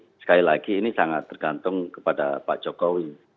tapi sekali lagi ini sangat tergantung kepada pak jokowi